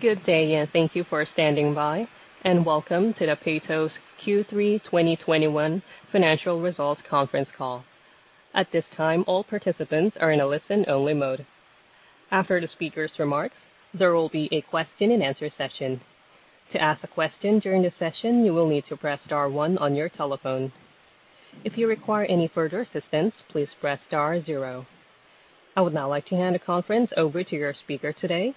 Good day, and thank you for standing by, and welcome to the Peyto's Q3 2021 financial results conference call. At this time, all participants are in a listen-only mode. After the speaker's remarks, there will be a question-and-answer session. To ask a question during the session, you will need to press star one on your telephone. If you require any further assistance, please press star zero. I would now like to hand the conference over to your speaker today,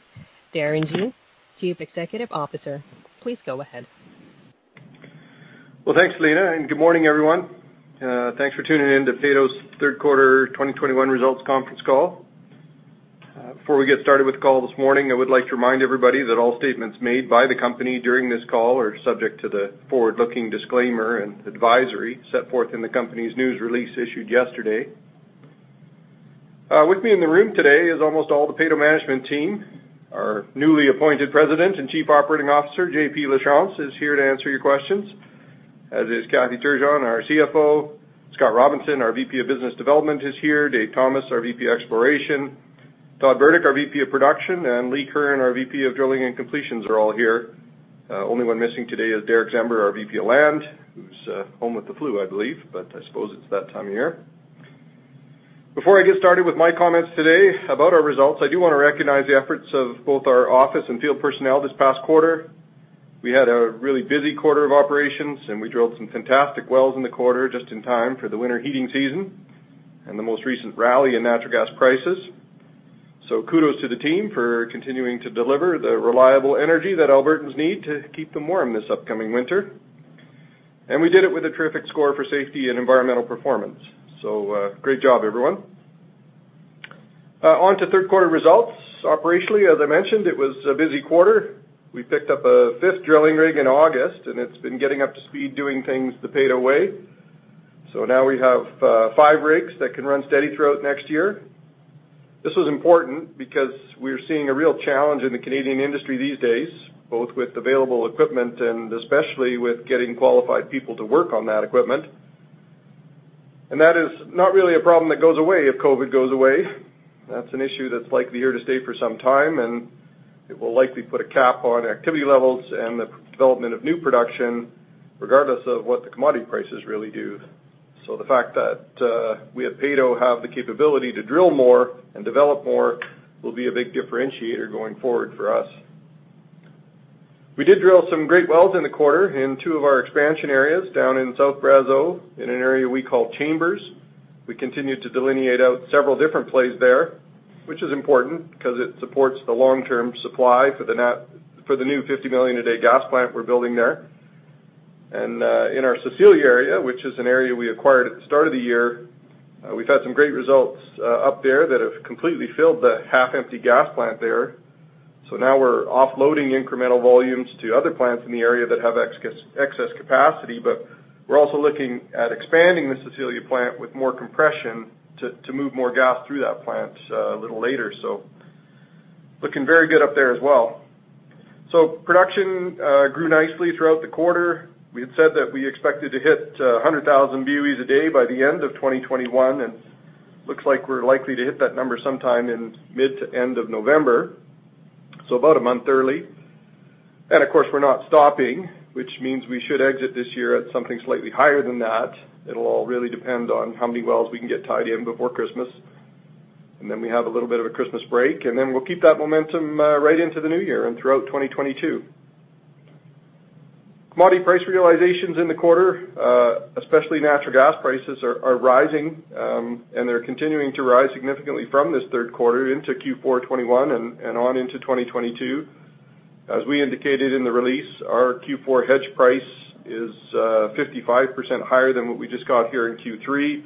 Darren Gee, Chief Executive Officer. Please go ahead. Well, thanks, Lina, and good morning, everyone. Thanks for tuning in to Peyto's third quarter 2021 results conference call. Before we get started with the call this morning, I would like to remind everybody that all statements made by the company during this call are subject to the forward-looking disclaimer and advisory set forth in the company's news release issued yesterday. With me in the room today is almost all the Peyto management team. Our newly appointed President and Chief Operating Officer, Jean-Paul Lachance, is here to answer your questions, as is Kathy Turgeon, our CFO. Scott Robinson, our VP of Business Development, is here. David Thomas, our VP Exploration. Todd Burdick, our VP of Production, and Lee Curran, our VP of Drilling and Completions are all here. Only one missing today is Derek Zember, our VP of Land, who's home with the flu, I believe, but I suppose it's that time of year. Before I get started with my comments today about our results, I do wanna recognize the efforts of both our office and field personnel this past quarter. We had a really busy quarter of operations, and we drilled some fantastic wells in the quarter just in time for the winter heating season and the most recent rally in natural gas prices. Kudos to the team for continuing to deliver the reliable energy that Albertans need to keep them warm this upcoming winter. We did it with a terrific score for safety and environmental performance. Great job, everyone. On to third quarter results. Operationally, as I mentioned, it was a busy quarter. We picked up a fifth drilling rig in August, and it's been getting up to speed, doing things the Peyto way. Now we have five rigs that can run steady throughout next year. This was important because we're seeing a real challenge in the Canadian industry these days, both with available equipment and especially with getting qualified people to work on that equipment. That is not really a problem that goes away if COVID goes away. That's an issue that's likely here to stay for some time, and it will likely put a cap on activity levels and the development of new production, regardless of what the commodity prices really do. The fact that we at Peyto have the capability to drill more and develop more will be a big differentiator going forward for us. We did drill some great wells in the quarter in two of our expansion areas down in South Brazeau in an area we call Chambers. We continued to delineate out several different plays there, which is important 'cause it supports the long-term supply for the new 50 million a day gas plant we're building there. In our Cecilia area, which is an area we acquired at the start of the year, we've had some great results up there that have completely filled the half empty gas plant there. Now we're offloading incremental volumes to other plants in the area that have excess capacity, but we're also looking at expanding the Cecilia plant with more compression to move more gas through that plant a little later. Looking very good up there as well. Production grew nicely throughout the quarter. We had said that we expected to hit 100,000 BOEs a day by the end of 2021, and looks like we're likely to hit that number sometime in mid to end of November, so about a month early. Of course, we're not stopping, which means we should exit this year at something slightly higher than that. It'll all really depend on how many wells we can get tied in before Christmas. Then we have a little bit of a Christmas break, and then we'll keep that momentum right into the new year and throughout 2022. Commodity price realizations in the quarter, especially natural gas prices are rising, and they're continuing to rise significantly from this third quarter into Q4 2021 and on into 2022. As we indicated in the release, our Q4 hedge price is 55% higher than what we just got here in Q3,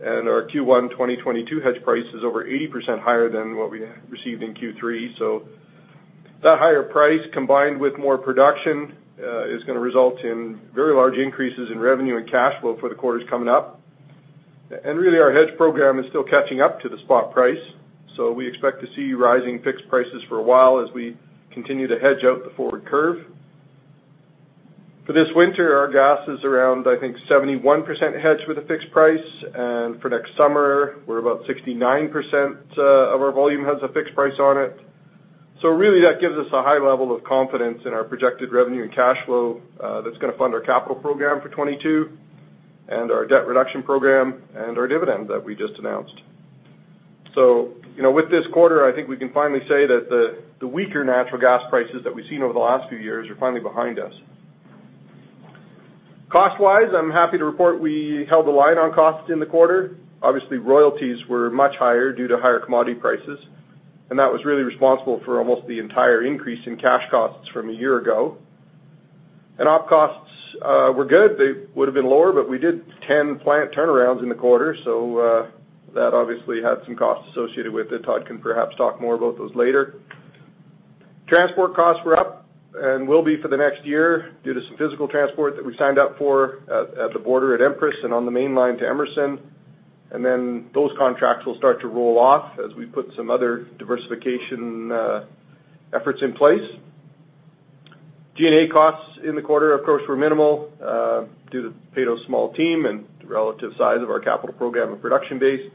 and our Q1 2022 hedge price is over 80% higher than what we received in Q3. That higher price, combined with more production, is gonna result in very large increases in revenue and cash flow for the quarters coming up. Really, our hedge program is still catching up to the spot price, so we expect to see rising fixed prices for a while as we continue to hedge out the forward curve. For this winter, our gas is around, I think, 71% hedged with a fixed price, and for next summer, we're about 69% of our volume has a fixed price on it. Really that gives us a high level of confidence in our projected revenue and cash flow, that's gonna fund our capital program for 2022 and our debt reduction program and our dividend that we just announced. You know, with this quarter, I think we can finally say that the weaker natural gas prices that we've seen over the last few years are finally behind us. Cost-wise, I'm happy to report we held the line on costs in the quarter. Obviously, royalties were much higher due to higher commodity prices, and that was really responsible for almost the entire increase in cash costs from a year ago. Op costs were good. They would've been lower, but we did 10 plant turnarounds in the quarter, so that obviously had some costs associated with it. Todd can perhaps talk more about those later. Transport costs were up and will be for the next year due to some physical transport that we signed up for at the border at Empress and on the main line to Emerson. Those contracts will start to roll off as we put some other diversification efforts in place. G&A costs in the quarter, of course, were minimal due to Peyto's small team and the relative size of our capital program and production base.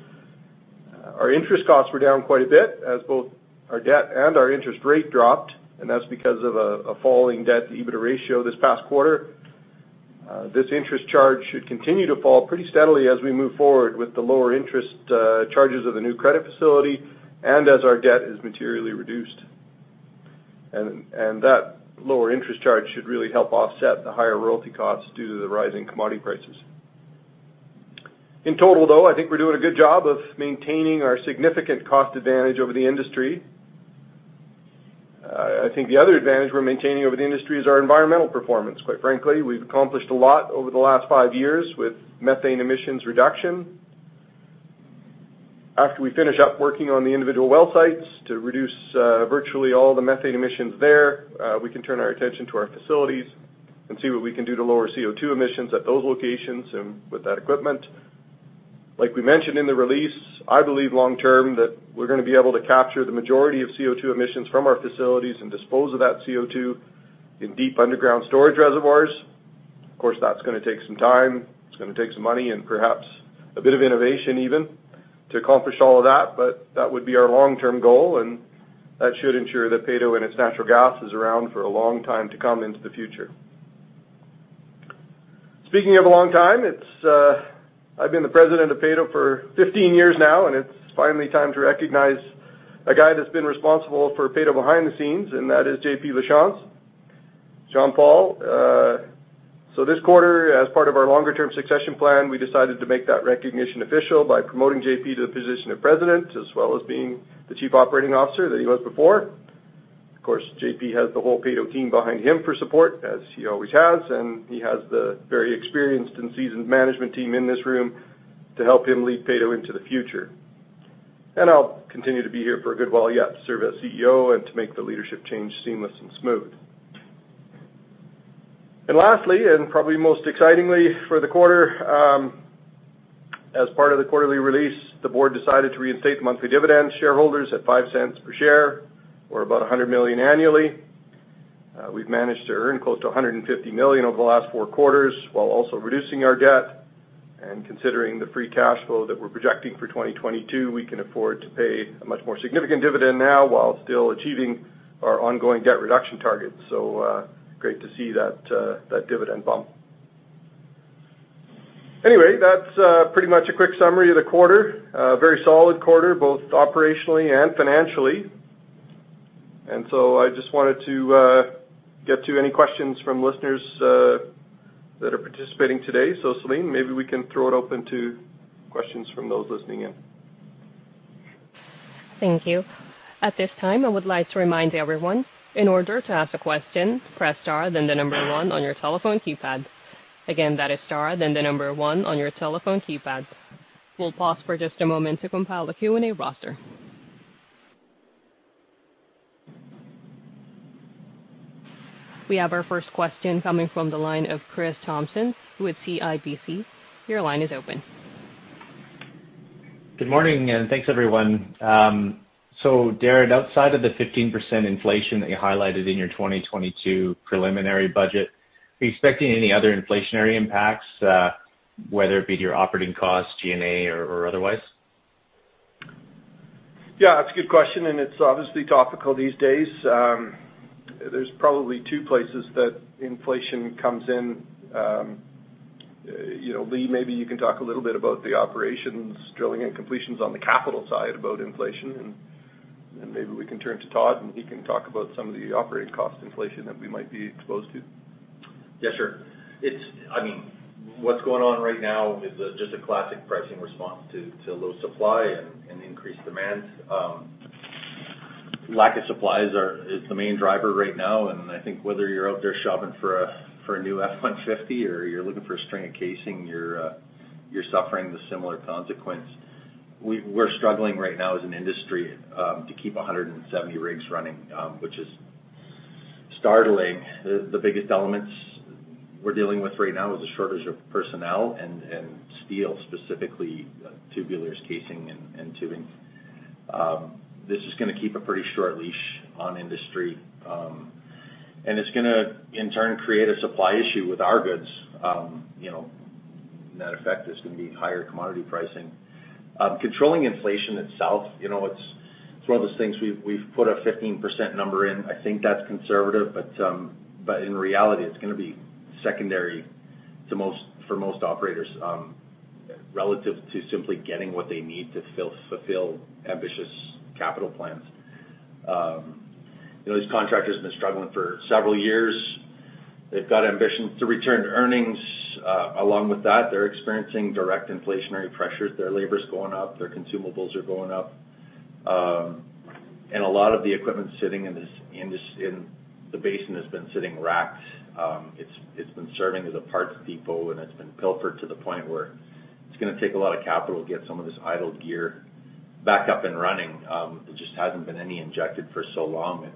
Our interest costs were down quite a bit as both our debt and our interest rate dropped, and that's because of a falling debt-to-EBITDA ratio this past quarter. This interest charge should continue to fall pretty steadily as we move forward with the lower interest charges of the new credit facility and as our debt is materially reduced. That lower interest charge should really help offset the higher royalty costs due to the rising commodity prices. In total, though, I think we're doing a good job of maintaining our significant cost advantage over the industry. I think the other advantage we're maintaining over the industry is our environmental performance, quite frankly. We've accomplished a lot over the last five years with methane emissions reduction. After we finish up working on the individual well sites to reduce virtually all the methane emissions there, we can turn our attention to our facilities and see what we can do to lower CO2 emissions at those locations and with that equipment. Like we mentioned in the release, I believe long term, that we're gonna be able to capture the majority of CO2 emissions from our facilities and dispose of that CO2 in deep underground storage reservoirs. Of course, that's gonna take some time. It's gonna take some money and perhaps a bit of innovation even to accomplish all of that, but that would be our long-term goal, and that should ensure that Peyto and its natural gas is around for a long time to come into the future. Speaking of a long time, I've been the President of Peyto for 15 years now, and it's finally time to recognize a guy that's been responsible for Peyto behind the scenes, and that is Jean-Paul Lachance. Jean-Paul. So this quarter, as part of our longer term succession plan, we decided to make that recognition official by promoting JP to the position of President, as well as being the Chief Operating Officer that he was before. Of course, JP has the whole Peyto team behind him for support, as he always has, and he has the very experienced and seasoned management team in this room to help him lead Peyto into the future. I'll continue to be here for a good while yet to serve as CEO and to make the leadership change seamless and smooth. Lastly, and probably most excitingly for the quarter, as part of the quarterly release, the board decided to reinstate the monthly dividend to shareholders at 0.05 per share or about 100 million annually. We've managed to earn close to 150 million over the last four quarters while also reducing our debt. Considering the free cash flow that we're projecting for 2022, we can afford to pay a much more significant dividend now while still achieving our ongoing debt reduction targets. Great to see that dividend bump. Anyway, that's pretty much a quick summary of the quarter. A very solid quarter, both operationally and financially. I just wanted to get to any questions from listeners that are participating today. Celine, maybe we can throw it open to questions from those listening in. Thank you. At this time, I would like to remind everyone, in order to ask a question, press star then the number one on your telephone keypad. Again, that is star then the number one on your telephone keypad. We'll pause for just a moment to compile the Q&A roster. We have our first question coming from the line of Chris Thompson with CIBC. Your line is open. Good morning, and thanks, everyone. Darren, outside of the 15% inflation that you highlighted in your 2022 preliminary budget, are you expecting any other inflationary impacts, whether it be to your operating costs, G&A or otherwise? Yeah, that's a good question, and it's obviously topical these days. There's probably two places that inflation comes in. You know, Lee, maybe you can talk a little bit about the operations, drilling and completions on the capital side about inflation and maybe we can turn to Todd and he can talk about some of the operating cost inflation that we might be exposed to. Yeah, sure. It's I mean, what's going on right now is just a classic pricing response to low supply and increased demand. Lack of supplies is the main driver right now, and I think whether you're out there shopping for a new F-150 or you're looking for a string of casing, you're suffering the similar consequence. We're struggling right now as an industry to keep 170 rigs running, which is startling. The biggest elements we're dealing with right now is a shortage of personnel and steel, specifically tubulars casing and tubing. This is gonna keep a pretty short leash on industry, and it's gonna in turn create a supply issue with our goods. You know, net effect is gonna be higher commodity pricing. Controlling inflation itself, you know, it's one of those things we've put a 15% number in. I think that's conservative, but in reality it's gonna be secondary to most for most operators, relative to simply getting what they need to fulfill ambitious capital plans. You know, these contractors have been struggling for several years. They've got ambition to return to earnings. Along with that, they're experiencing direct inflationary pressures. Their labor's going up, their consumables are going up. And a lot of the equipment sitting in the basin has been sitting racked. It's been serving as a parts depot and it's been pilfered to the point where it's gonna take a lot of capital to get some of this idled gear back up and running. There just hasn't been any injected for so long.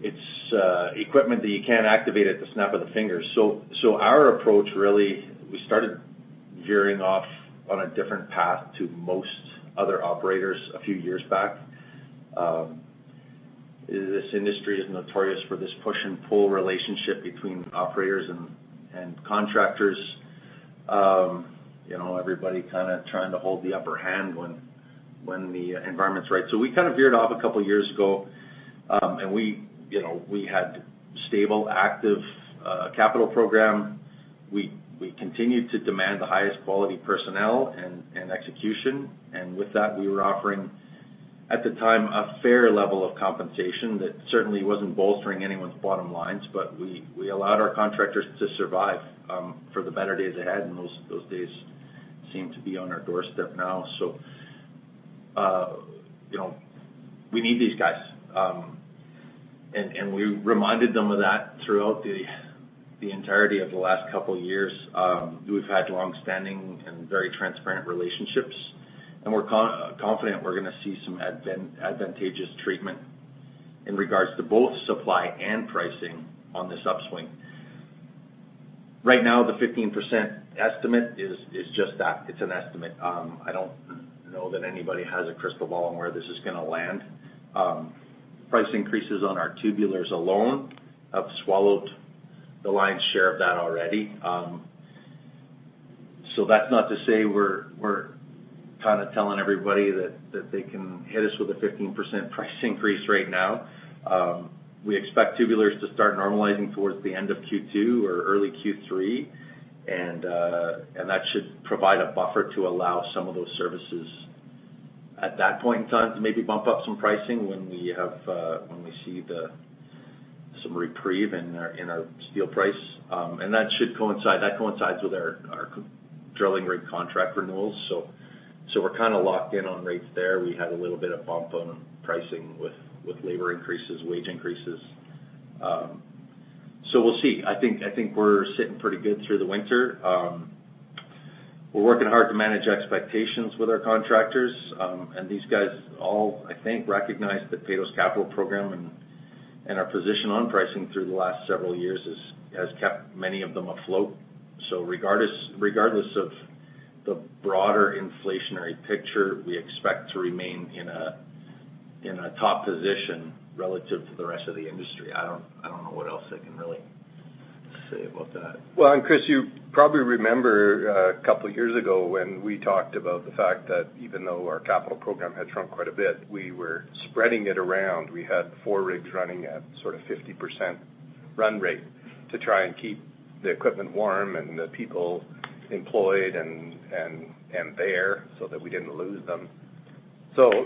It's equipment that you can't activate at the snap of the fingers. Our approach really, we started veering off on a different path to most other operators a few years back. This industry is notorious for this push and pull relationship between operators and contractors. You know, everybody kinda trying to hold the upper hand when the environment's right. We kind of veered off a couple years ago, and we had stable, active capital program. We continued to demand the highest quality personnel and execution. With that, we were offering, at the time, a fair level of compensation that certainly wasn't bolstering anyone's bottom lines. We allowed our contractors to survive for the better days ahead, and those days seem to be on our doorstep now. You know, we need these guys. We reminded them of that throughout the entirety of the last couple years. We've had longstanding and very transparent relationships, and we're confident we're gonna see some advantageous treatment in regards to both supply and pricing on this upswing. Right now, the 15% estimate is just that. It's an estimate. I don't know that anybody has a crystal ball on where this is gonna land. Price increases on our tubulars alone have swallowed the lion's share of that already. That's not to say we're kinda telling everybody that they can hit us with a 15% price increase right now. We expect tubulars to start normalizing toward the end of Q2 or early Q3, and that should provide a buffer to allow some of those services at that point in time to maybe bump up some pricing when we see some reprieve in our steel price. That coincides with our drilling rig contract renewals. We're kinda locked in on rates there. We had a little bit of bump on pricing with labor increases, wage increases. We'll see. I think we're sitting pretty good through the winter. We're working hard to manage expectations with our contractors. These guys all, I think, recognize that Peyto's capital program and our position on pricing through the last several years has kept many of them afloat. Regardless of the broader inflationary picture, we expect to remain in a top position relative to the rest of the industry. I don't know what else I can really say about that. Well, Chris, you probably remember a couple years ago when we talked about the fact that even though our capital program had shrunk quite a bit, we were spreading it around. We had four rigs running at sort of 50% run rate to try and keep the equipment warm and the people employed and there so that we didn't lose them.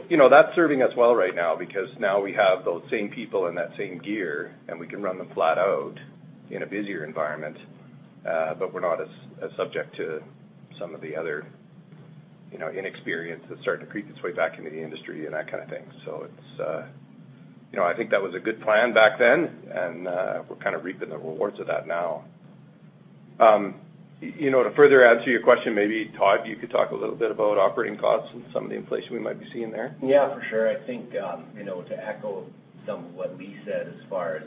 You know, that's serving us well right now because now we have those same people and that same gear, and we can run them flat out in a busier environment. But we're not as subject to some of the other, you know, inexperience that's starting to creep its way back into the industry and that kind of thing. It's You know, I think that was a good plan back then, and we're kind of reaping the rewards of that now. You know, to further answer your question, maybe Todd, you could talk a little bit about operating costs and some of the inflation we might be seeing there. Yeah, for sure. I think, you know, to echo some of what Lee said as far as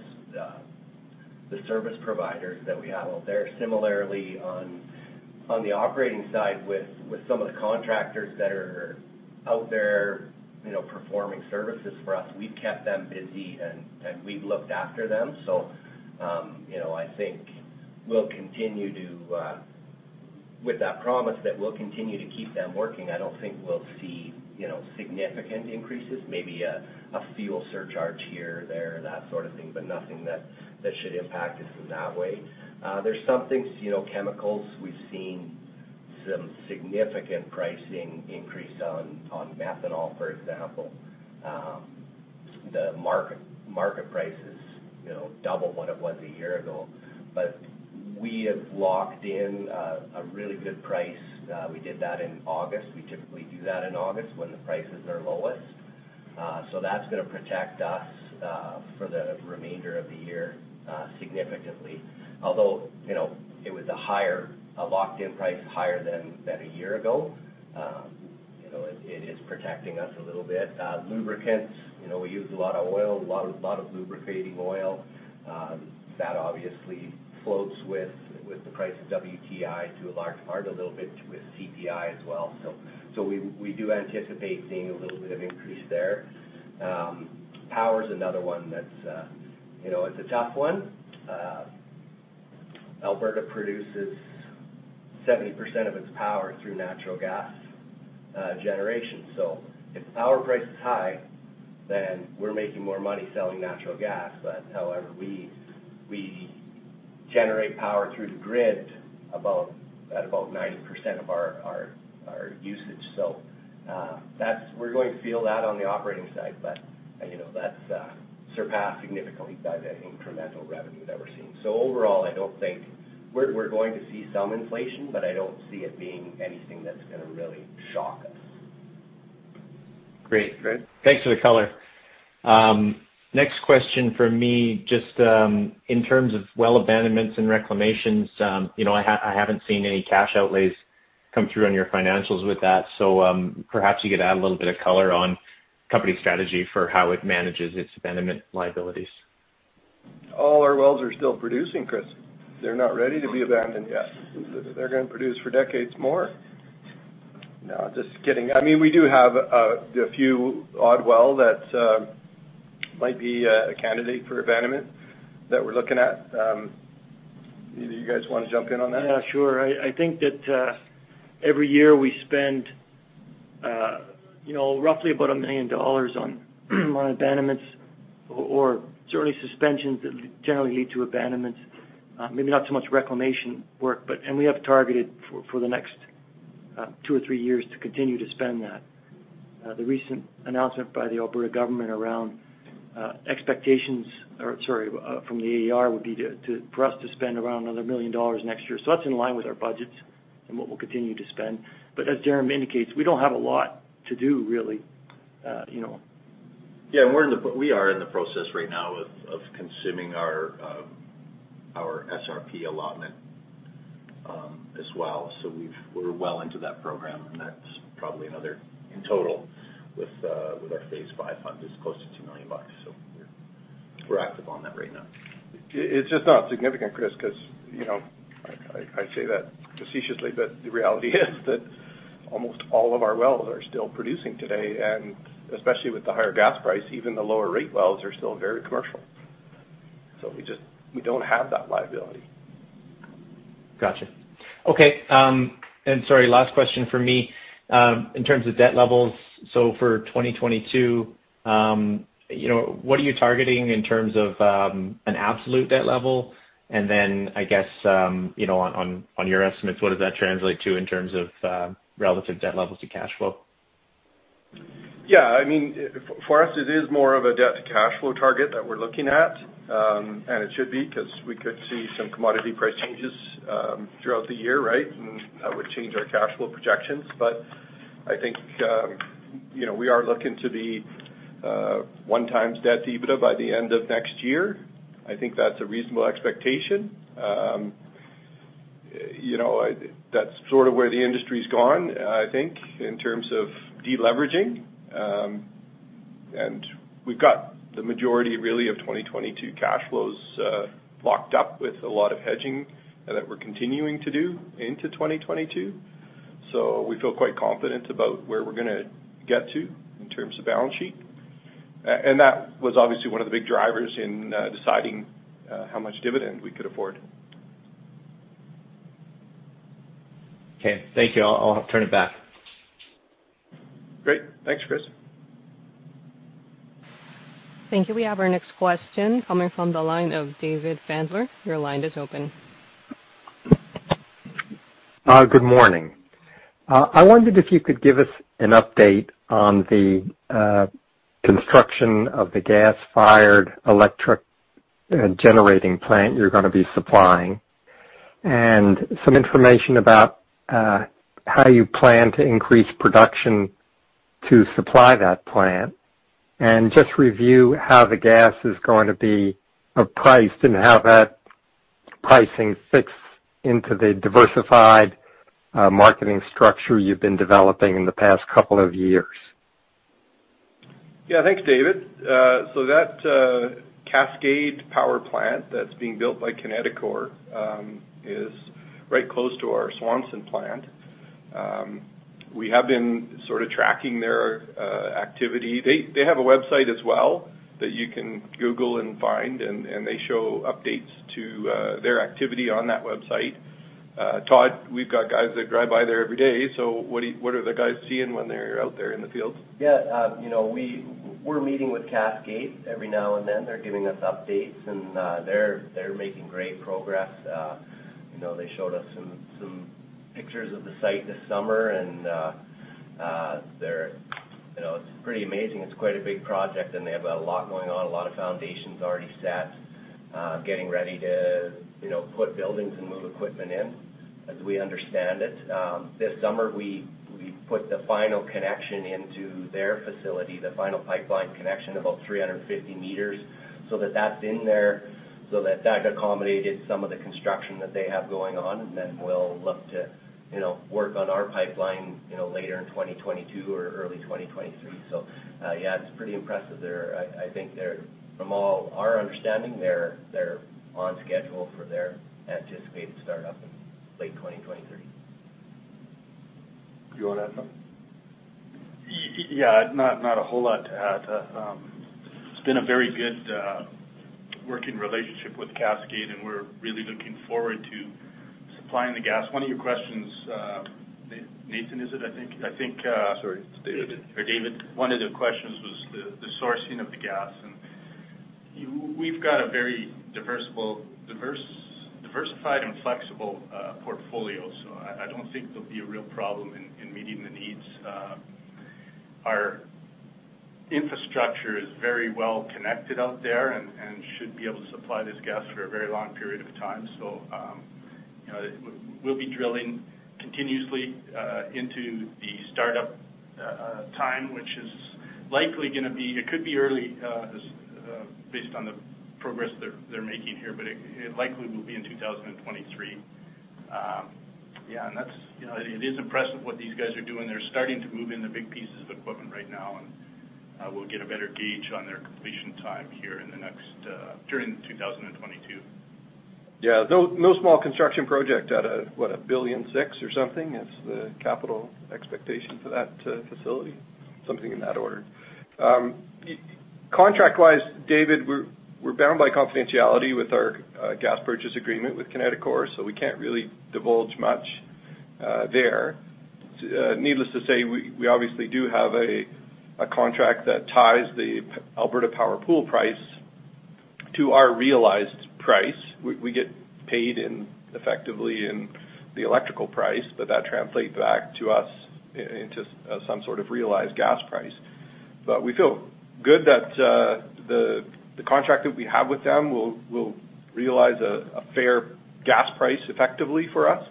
the service providers that we have out there, similarly on the operating side with some of the contractors that are out there, you know, performing services for us, we've kept them busy and we've looked after them. You know, I think we'll continue to with that promise that we'll continue to keep them working. I don't think we'll see, you know, significant increases. Maybe a fuel surcharge here or there, that sort of thing, but nothing that should impact us in that way. There's some things, you know, chemicals. We've seen some significant pricing increase on methanol, for example. The market price is, you know, double what it was a year ago. We have locked in a really good price. We did that in August. We typically do that in August when the prices are lowest. So that's gonna protect us for the remainder of the year significantly. Although, you know, it was a locked in price higher than a year ago. You know, it is protecting us a little bit. Lubricants, you know, we use a lot of oil, a lot of lubricating oil. That obviously floats with the price of WTI to a large part, a little bit with CPI as well. So we do anticipate seeing a little bit of increase there. Power's another one that's, you know, it's a tough one. Alberta produces 70% of its power through natural gas generation. If power price is high, then we're making more money selling natural gas. However, we generate power through the grid at about 90% of our usage. That's. We're going to feel that on the operating side. You know, that's surpassed significantly by the incremental revenue that we're seeing. Overall, I don't think we're going to see some inflation, but I don't see it being anything that's gonna really shock us. Great. Great. Thanks for the color. Next question from me, just, in terms of well abandonments and reclamations, you know, I haven't seen any cash outlays come through on your financials with that. Perhaps you could add a little bit of color on company strategy for how it manages its abandonment liabilities. All our wells are still producing, Chris. They're not ready to be abandoned yet. They're gonna produce for decades more. No, just kidding. I mean, we do have the few odd well that might be a candidate for abandonment that we're looking at. Either of you guys wanna jump in on that? Yeah, sure. I think that every year we spend you know roughly 1 million dollars on abandonments or certainly suspensions that generally lead to abandonments, maybe not so much reclamation work. We have targeted for the next two or three years to continue to spend that. The recent announcement by the Alberta government around expectations from the AER would be for us to spend around another 1 million dollars next year. That's in line with our budgets and what we'll continue to spend. As Darren indicates, we don't have a lot to do really, you know. Yeah. We're in the process right now of consuming our SRP allotment as well. We're well into that program, and that's probably another, in total with our Phase five funds, it's close to 2 million bucks. We're active on that right now. It's just not significant, Chris, 'cause, you know, I say that facetiously, but the reality is that almost all of our wells are still producing today. Especially with the higher gas price, even the lower rate wells are still very commercial. We don't have that liability. Gotcha. Okay. Sorry, last question from me. In terms of debt levels, for 2022, you know, what are you targeting in terms of an absolute debt level? I guess, you know, on your estimates, what does that translate to in terms of relative debt levels to cash flow? Yeah. I mean, for us it is more of a debt to cash flow target that we're looking at. It should be, 'cause we could see some commodity price changes throughout the year, right? That would change our cash flow projections. I think, you know, we are looking to be one times debt to EBITDA by the end of next year. I think that's a reasonable expectation. You know, that's sort of where the industry's gone, I think in terms of de-leveraging. We've got the majority really of 2022 cash flows locked up with a lot of hedging that we're continuing to do into 2022. We feel quite confident about where we're gonna get to in terms of balance sheet. That was obviously one of the big drivers in deciding how much dividend we could afford. Okay. Thank you. I'll turn it back. Great. Thanks, Chris. Thank you. We have our next question coming from the line of David Fandler. Your line is open. Good morning. I wondered if you could give us an update on the construction of the gas-fired electric generating plant you're gonna be supplying, and some information about how you plan to increase production to supply that plant. Just review how the gas is going to be priced and how that pricing fits into the diversified marketing structure you've been developing in the past couple of years. Yeah. Thanks, David. That Cascade Power Plant that's being built by Kineticor is right close to our Sundance plant. We have been sort of tracking their activity. They have a website as well that you can Google and find, and they show updates to their activity on that website. Todd, we've got guys that drive by there every day, so what are the guys seeing when they're out there in the fields? Yeah. You know, we're meeting with Cascade every now and then. They're giving us updates, and they're making great progress. You know, they showed us some pictures of the site this summer, and you know it's pretty amazing. It's quite a big project, and they have a lot going on. A lot of foundations already set, getting ready to you know put buildings and move equipment in, as we understand it. This summer we put the final connection into their facility, the final pipeline connection, about 350 meters. That's in there so that accommodated some of the construction that they have going on. We'll look to work on our pipeline you know later in 2022 or early 2023. Yeah, it's pretty impressive. From all our understanding, they're on schedule for their anticipated startup in late 2023. You wanna add something? Yeah, not a whole lot to add. It's been a very good working relationship with Cascade, and we're really looking forward to supplying the gas. One of your questions, Nathan is it, I think? I think, Sorry, it's David. David. One of the questions was the sourcing of the gas, and we've got a very diversified and flexible portfolio. So I don't think there'll be a real problem in meeting the needs. Our infrastructure is very well connected out there and should be able to supply this gas for a very long period of time. So, you know, we'll be drilling continuously into the startup time, which is likely gonna be. It could be early based on the progress they're making here, but it likely will be in 2023. Yeah, that's, you know. It is impressive what these guys are doing. They're starting to move in the big pieces of equipment right now, and we'll get a better gauge on their completion time here during 2022. Yeah. No small construction project at what? 1.6 billion or something is the capital expectation for that facility. Something in that order. Contract-wise, David, we're bound by confidentiality with our gas purchase agreement with Kineticor, so we can't really divulge much there. Needless to say, we obviously do have a contract that ties the Alberta Power Pool price to our realized price. We get paid effectively in the electrical price, but that translate back to us into some sort of realized gas price. We feel good that the contract that we have with them will realize a fair gas price effectively for us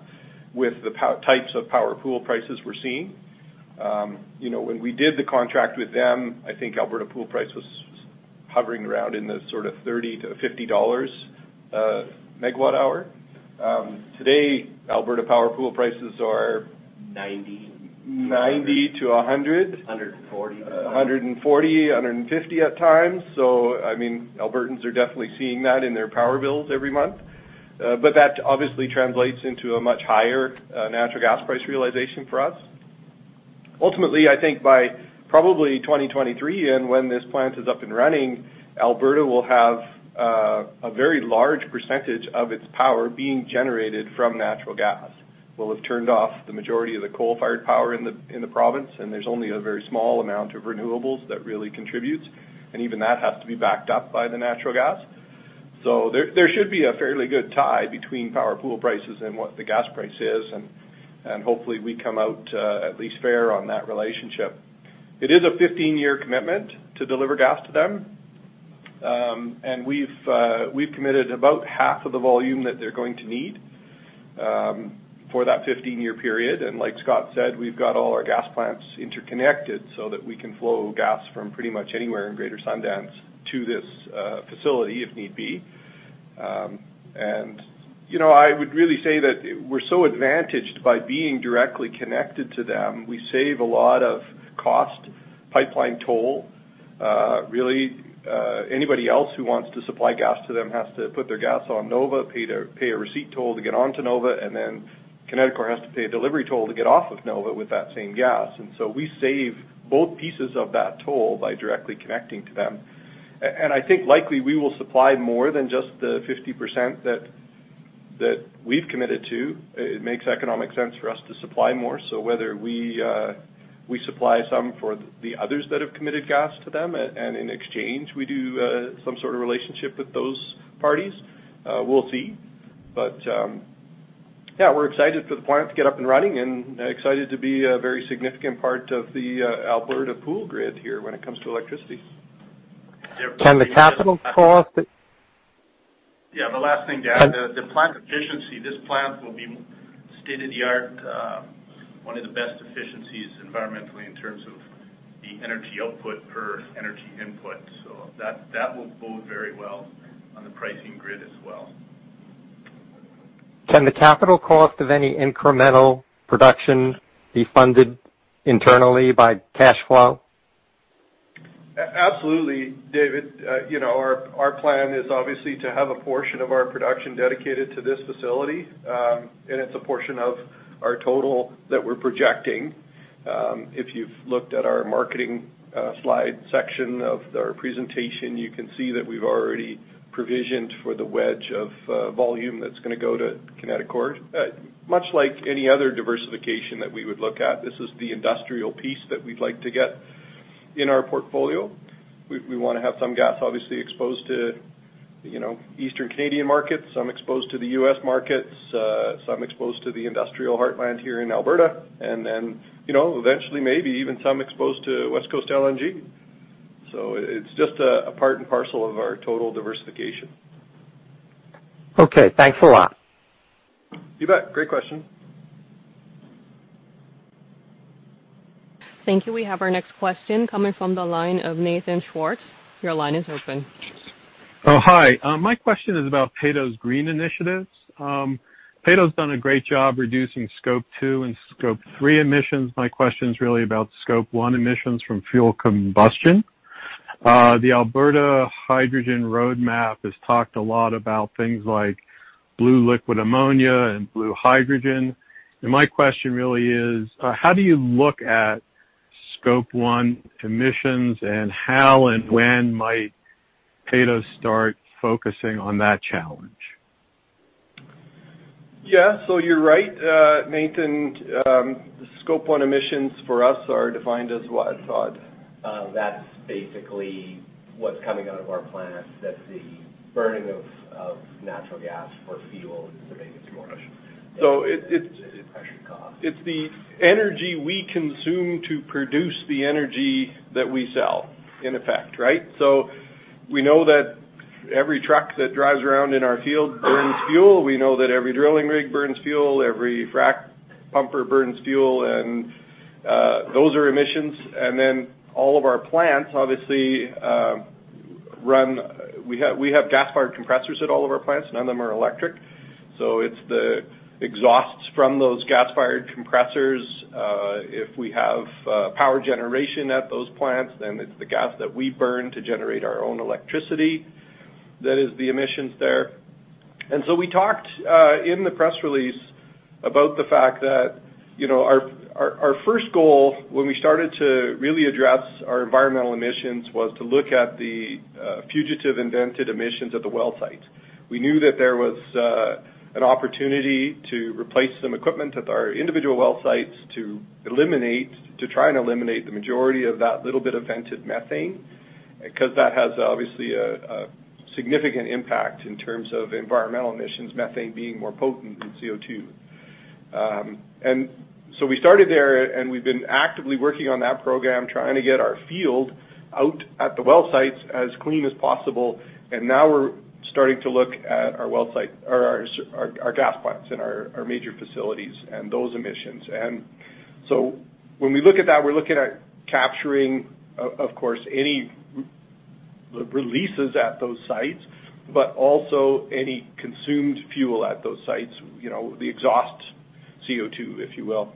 with the types of Power Pool prices we're seeing. You know, when we did the contract with them, I think Alberta Power Pool price was hovering around in the sort of 30-50 dollars MWh. Today, Alberta Power Pool prices are- Ninety. 90-100. 140. 140, 150 at times. I mean, Albertans are definitely seeing that in their power bills every month. But that obviously translates into a much higher natural gas price realization for us. Ultimately, I think by probably 2023 and when this plant is up and running, Alberta will have a very large percentage of its power being generated from natural gas. We'll have turned off the majority of the coal-fired power in the province, and there's only a very small amount of renewables that really contributes, and even that has to be backed up by the natural gas. There should be a fairly good tie between power pool prices and what the gas price is, and hopefully we come out at least fair on that relationship. It is a 15-year commitment to deliver gas to them. We've committed about half of the volume that they're going to need for that 15-year period. Like Scott said, we've got all our gas plants interconnected so that we can flow gas from pretty much anywhere in Greater Sundance to this facility if need be. You know, I would really say that we're so advantaged by being directly connected to them. We save a lot of cost, pipeline toll. Really, anybody else who wants to supply gas to them has to put their gas on Nova, pay a receipt toll to get onto Nova, and then Kineticor has to pay a delivery toll to get off of Nova with that same gas. We save both pieces of that toll by directly connecting to them. I think likely we will supply more than just the 50% that we've committed to. It makes economic sense for us to supply more. Whether we supply some for the others that have committed gas to them, and in exchange, we do some sort of relationship with those parties, we'll see. Yeah, we're excited for the plant to get up and running and excited to be a very significant part of the Alberta Power Pool grid here when it comes to electricity. Yeah. Can the capital cost? Yeah, the last thing to add, the plant efficiency. This plant will be state-of-the-art, one of the best efficiencies environmentally in terms of the energy output per energy input. That will bode very well on the pricing grid as well. Can the capital cost of any incremental production be funded internally by cash flow? Absolutely, David. You know, our plan is obviously to have a portion of our production dedicated to this facility, and it's a portion of our total that we're projecting. If you've looked at our marketing slide section of our presentation, you can see that we've already provisioned for the wedge of volume that's gonna go to Kineticor. Much like any other diversification that we would look at, this is the industrial piece that we'd like to get in our portfolio. We wanna have some gas obviously exposed to, you know, Eastern Canadian markets, some exposed to the U.S. markets, some exposed to the industrial heartland here in Alberta, and then, you know, eventually maybe even some exposed to West Coast LNG. It's just a part and parcel of our total diversification. Okay. Thanks a lot. You bet. Great question. Thank you. We have our next question coming from the line of Nathan Schwartz. Your line is open. Oh, hi. My question is about Peyto's green initiatives. Peyto's done a great job reducing Scope two and Scope three emissions. My question is really about Scope one emissions from fuel combustion. The Alberta Hydrogen Roadmap has talked a lot about things like blue liquid ammonia and blue hydrogen. My question really is, how do you look at Scope one emissions, and how and when might Peyto start focusing on that challenge? Yeah. You're right, Nathan. Scope one emissions for us are defined as what, Scott? That's basically what's coming out of our plant. That's the burning of natural gas for fuel to make it to work. So it- The pressure cost. It's the energy we consume to produce the energy that we sell in effect, right? We know that every truck that drives around in our field burns fuel. We know that every drilling rig burns fuel, every frack pumper burns fuel, and those are emissions. All of our plants, obviously, we have gas-fired compressors at all of our plants. None of them are electric. It's the exhausts from those gas-fired compressors. If we have power generation at those plants, then it's the gas that we burn to generate our own electricity that is the emissions there. We talked in the press release about the fact that, you know, our first goal when we started to really address our environmental emissions was to look at the fugitive and vented emissions at the well site. We knew that there was an opportunity to replace some equipment at our individual well sites to try and eliminate the majority of that little bit of vented methane, 'cause that has obviously a significant impact in terms of environmental emissions, methane being more potent than CO2. We started there, and we've been actively working on that program, trying to get our field out at the well sites as clean as possible, now we're starting to look at our well site or our gas plants and our major facilities and those emissions. When we look at that, we're looking at capturing, of course, any releases at those sites, but also any consumed fuel at those sites, you know, the exhaust CO2, if you will.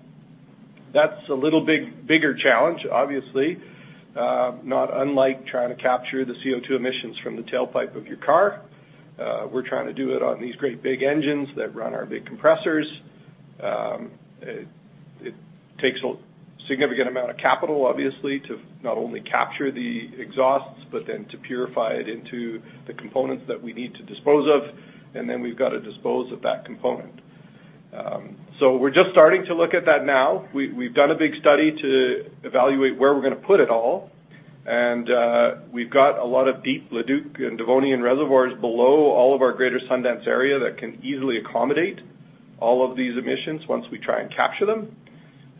That's a little big, bigger challenge, obviously, not unlike trying to capture the CO2 emissions from the tailpipe of your car. We're trying to do it on these great big engines that run our big compressors. It takes a significant amount of capital, obviously, to not only capture the exhausts, but then to purify it into the components that we need to dispose of, and then we've got to dispose of that component. We're just starting to look at that now. We've done a big study to evaluate where we're gonna put it all. We've got a lot of deep Leduc and Devonian reservoirs below all of our greater Sundance area that can easily accommodate all of these emissions once we try and capture them.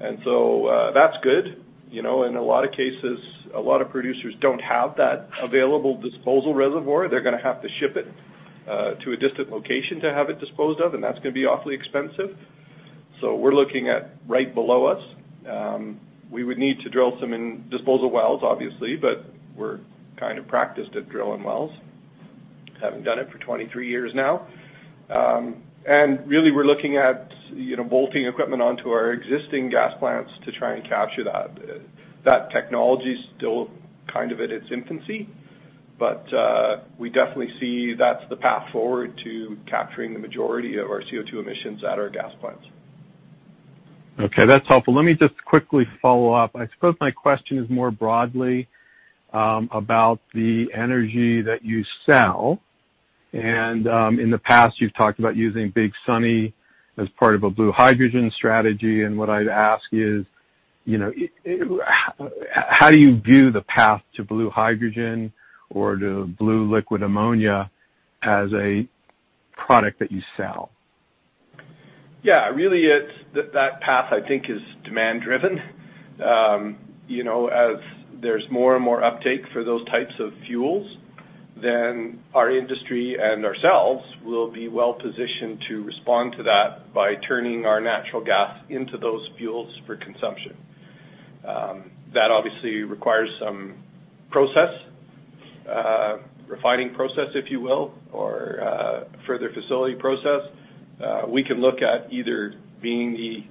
That's good. You know, in a lot of cases, a lot of producers don't have that available disposal reservoir. They're gonna have to ship it to a distant location to have it disposed of, and that's gonna be awfully expensive. We're looking at right below us. We would need to drill some in disposal wells, obviously, but we're kind of practiced at drilling wells, having done it for 23 years now. Really, we're looking at, you know, bolting equipment onto our existing gas plants to try and capture that. That technology is still kind of in its infancy, but we definitely see that's the path forward to capturing the majority of our CO2 emissions at our gas plants. Okay, that's helpful. Let me just quickly follow up. I suppose my question is more broadly about the energy that you sell. In the past, you've talked about using Big Sunny as part of a blue hydrogen strategy, and what I'd ask is, you know, how do you view the path to blue hydrogen or to blue liquid ammonia as a product that you sell? Yeah, really, it's that path, I think, is demand-driven. You know, as there's more and more uptake for those types of fuels, then our industry and ourselves will be well-positioned to respond to that by turning our natural gas into those fuels for consumption. That obviously requires some process, refining process, if you will, or further facility process. We can look at either being the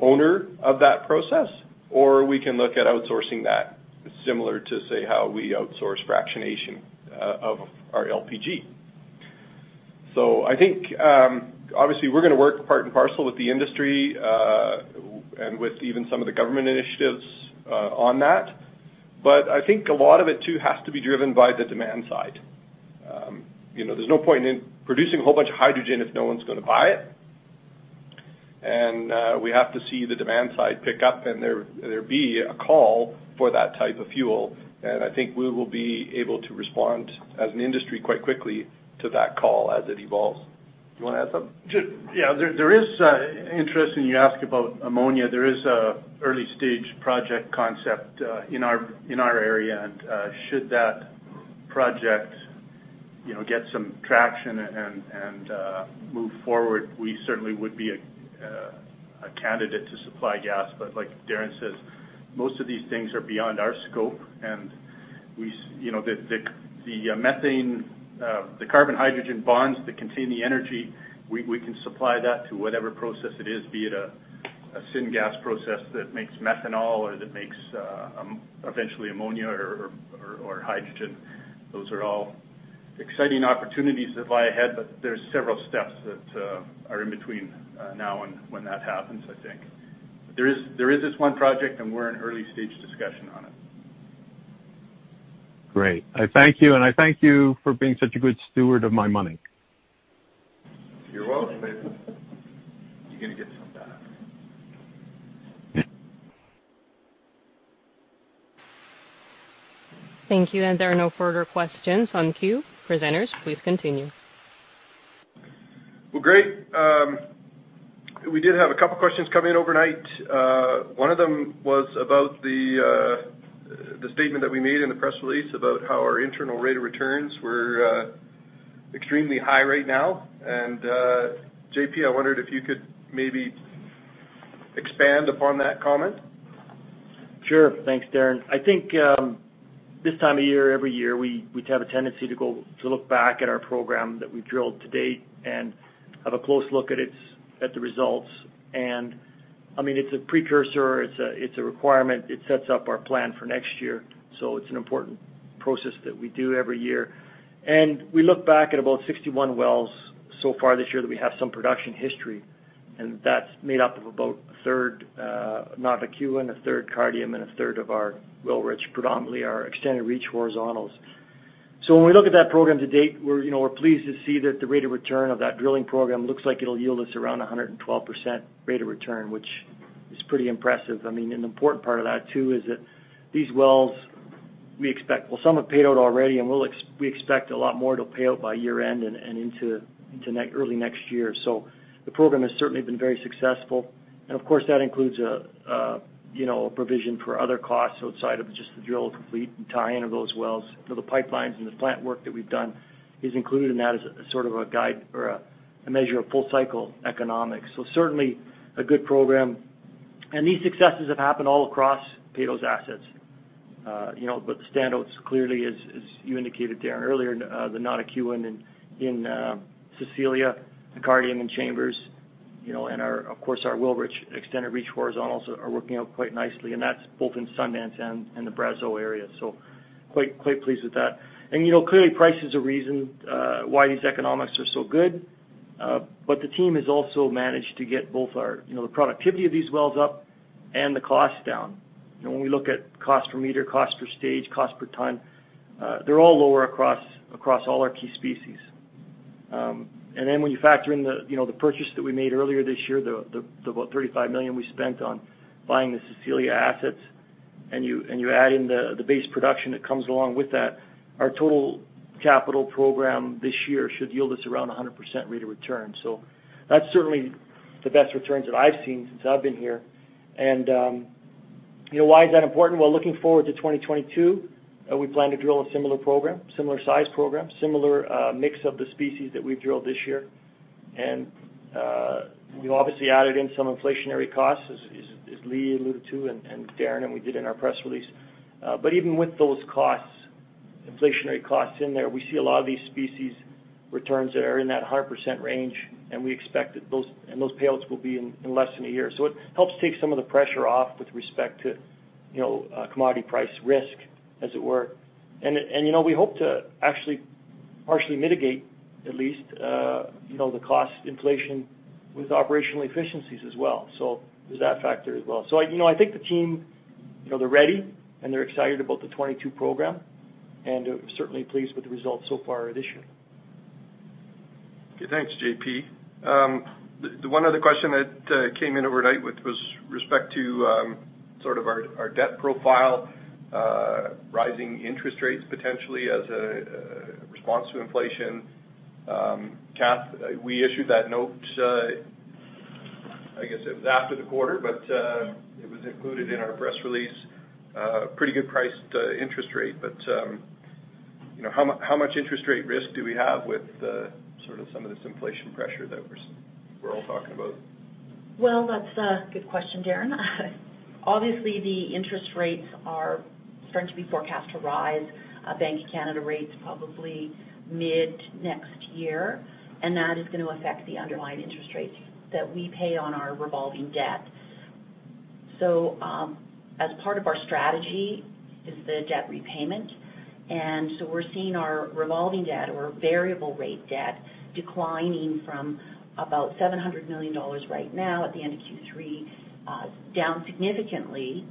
owner of that process or we can look at outsourcing that, similar to, say, how we outsource fractionation of our LPG. I think, obviously we're gonna work part and parcel with the industry, and with even some of the government initiatives, on that. I think a lot of it, too, has to be driven by the demand side. You know, there's no point in producing a whole bunch of hydrogen if no one's gonna buy it. We have to see the demand side pick up, and there be a call for that type of fuel. I think we will be able to respond as an industry quite quickly to that call as it evolves. You wanna add something? Yeah. There is interest, and you ask about ammonia. There is an early-stage project concept in our area. Should that project, you know, get some traction and move forward, we certainly would be a candidate to supply gas. But like Darren says, most of these things are beyond our scope. You know, the methane, the carbon-hydrogen bonds that contain the energy, we can supply that to whatever process it is, be it a syngas process that makes methanol or that makes eventually ammonia or hydrogen. Those are all exciting opportunities that lie ahead, but there's several steps that are in between now and when that happens, I think. There is this one project, and we're in early-stage discussion on it. Great. I thank you for being such a good steward of my money. You're welcome. You're gonna get some back. Thank you. There are no further questions in queue. Presenters, please continue. Well, great. We did have a couple questions come in overnight. One of them was about the statement that we made in the press release about how our internal rate of returns were extremely high right now. JP, I wondered if you could maybe expand upon that comment. Sure. Thanks, Darren. I think this time of year, every year, we have a tendency to look back at our program that we drilled to date and have a close look at the results. I mean, it's a precursor. It's a requirement. It sets up our plan for next year, so it's an important process that we do every year. We look back at about 61 wells so far this year that we have some production history, and that's made up of about a third Notikewin, a third Cardium, and a third of our Wilrich, predominantly our extended reach horizontals. When we look at that program to date, you know, we're pleased to see that the rate of return of that drilling program looks like it'll yield us around 112% rate of return, which is pretty impressive. I mean, an important part of that too is that these wells, some have paid out already, and we expect a lot more to pay out by year-end and into early next year. The program has certainly been very successful. Of course, that includes, you know, a provision for other costs outside of just the drill fleet and tie-in of those wells. The pipelines and the plant work that we've done is included in that as sort of a guide or a measure of full cycle economics. Certainly a good program. These successes have happened all across Peyto's assets. You know, but the standouts clearly is as you indicated Darren earlier, the Notikewin in Ansel, the Cardium in Chambers. You know, and, of course, our Wilrich extended reach horizontals are working out quite nicely, and that's both in Sundance and in the Brazeau area. Quite pleased with that. You know, clearly price is a reason why these economics are so good. But the team has also managed to get both our, you know, the productivity of these wells up and the costs down. You know, when we look at cost per meter, cost per stage, cost per ton, they're all lower across all our key species. When you factor in the, you know, the purchase that we made earlier this year, the about 35 million we spent on buying the Cecilia assets, and you add in the base production that comes along with that, our total capital program this year should yield us around 100% rate of return. That's certainly the best returns that I've seen since I've been here. You know, why is that important? Well, looking forward to 2022, we plan to drill a similar program, similar size program, similar mix of the species that we've drilled this year. We obviously added in some inflationary costs as Lee alluded to and Darren and we did in our press release. Even with those costs, inflationary costs in there, we see a lot of these specific returns that are in that 100% range, and we expect that those payouts will be in less than a year. It helps take some of the pressure off with respect to, you know, commodity price risk, as it were. You know, we hope to actually partially mitigate at least, you know, the cost inflation with operational efficiencies as well. There's that factor as well. You know, I think the team, you know, they're ready, and they're excited about the 2022 program and certainly pleased with the results so far this year. Okay. Thanks, JP. The one other question that came in overnight was with respect to sort of our debt profile, rising interest rates potentially as a response to inflation. Cathy, we issued that note, I guess it was after the quarter, but it was included in our press release, pretty good priced interest rate. But you know, how much interest rate risk do we have with the sort of some of this inflation pressure that we're all talking about? Well, that's a good question, Darren. Obviously, the interest rates are starting to be forecast to rise, Bank of Canada rates probably mid next year, and that is gonna affect the underlying interest rates that we pay on our revolving debt. As part of our strategy is the debt repayment. We're seeing our revolving debt or variable rate debt declining from about 700 million dollars right now at the end of Q3, down significantly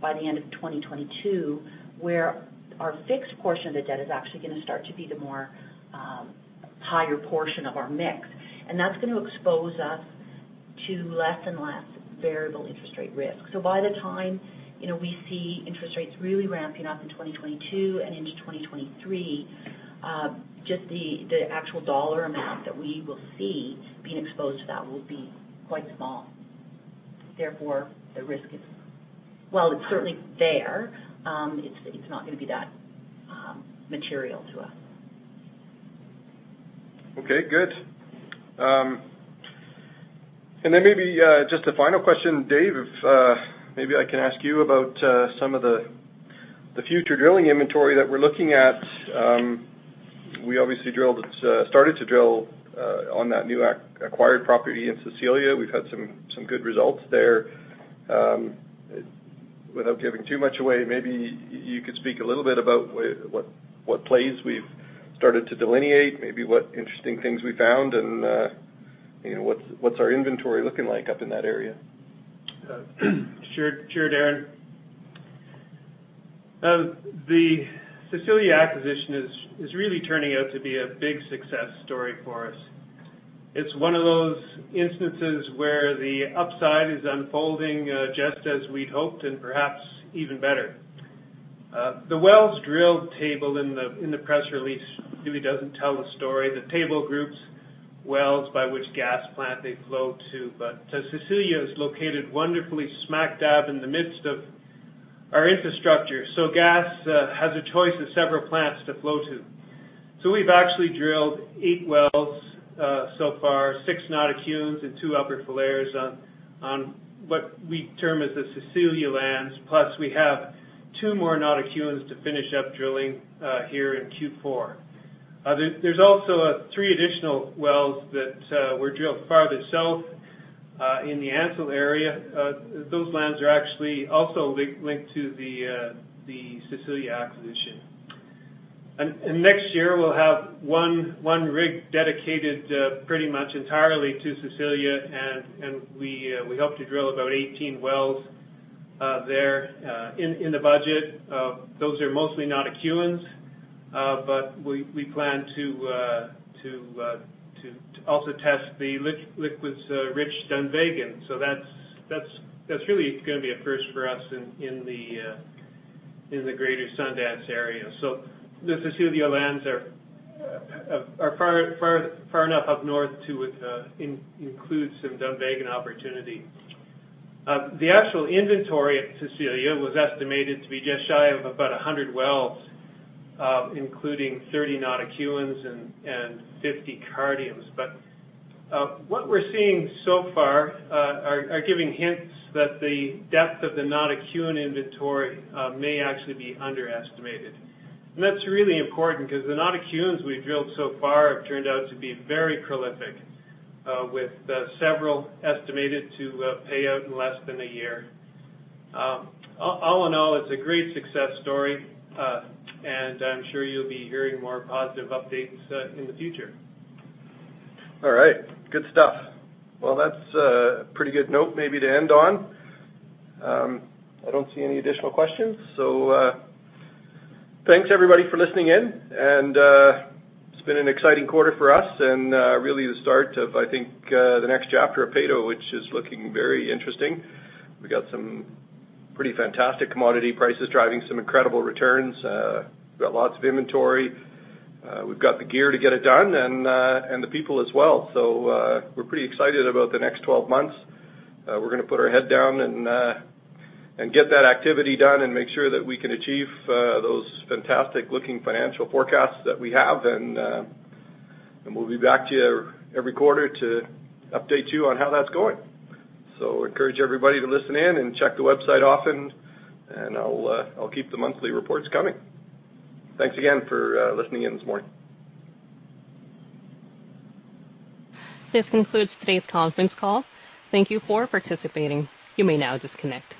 by the end of 2022, where our fixed portion of the debt is actually gonna start to be the more higher portion of our mix. That's gonna expose us to less and less variable interest rate risk. By the time, you know, we see interest rates really ramping up in 2022 and into 2023, just the actual dollar amount that we will see being exposed to that will be quite small. Therefore, the risk is. Well, it's certainly there, it's not gonna be that material to us. Okay, good. Maybe just a final question, Dave, if maybe I can ask you about some of the future drilling inventory that we're looking at. We obviously started to drill on that new acquired property in Sundance. We've had some good results there. Without giving too much away, maybe you could speak a little bit about what plays we've started to delineate, maybe what interesting things we found, and you know, what's our inventory looking like up in that area? Sure, Darren. The Cecilia acquisition is really turning out to be a big success story for us. It's one of those instances where the upside is unfolding just as we'd hoped and perhaps even better. The wells drilled table in the press release really doesn't tell the story. The table groups wells by which gas plant they flow to, but Cecilia is located wonderfully smack dab in the midst of our infrastructure. Gas has a choice of several plants to flow to. We've actually drilled eight wells so far, six Notikewins and two Upper Falher on what we term as the Cecilia lands, plus we have two more Notikewins to finish up drilling here in Q4. There's also three additional wells that were drilled farther south in the Ansel area. Those lands are actually also linked to the Cecilia acquisition. Next year, we'll have one rig dedicated pretty much entirely to Cecilia, and we hope to drill about 18 wells there in the budget. Those are mostly Notikewins, but we plan to also test the liquids rich Dunvegan. That's really gonna be a first for us in the greater Sundance area. The Cecilia lands are far enough up north to include some Dunvegan opportunity. The actual inventory at Cecilia was estimated to be just shy of about 100 wells, including 30 Notikewins and 50 Cardiums. What we're seeing so far are giving hints that the depth of the Notikewin inventory may actually be underestimated. That's really important because the Notikewins we've drilled so far have turned out to be very prolific with several estimated to pay out in less than a year. All in all, it's a great success story and I'm sure you'll be hearing more positive updates in the future. All right. Good stuff. Well, that's a pretty good note maybe to end on. I don't see any additional questions. Thanks everybody for listening in, and it's been an exciting quarter for us and really the start of, I think, the next chapter of Peyto, which is looking very interesting. We've got some pretty fantastic commodity prices driving some incredible returns. We've got lots of inventory. We've got the gear to get it done and the people as well. We're pretty excited about the next 12 months. We're gonna put our head down and get that activity done and make sure that we can achieve those fantastic-looking financial forecasts that we have. We'll be back to you every quarter to update you on how that's going. Encourage everybody to listen in and check the website often, and I'll keep the monthly reports coming. Thanks again for listening in this morning. This concludes today's conference call. Thank you for participating. You may now disconnect.